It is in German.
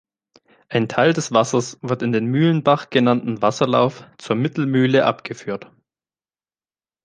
Ein Teil des Wasser wird in den Mühlenbach genannten Wasserlauf zur Mittelmühle abgeführt.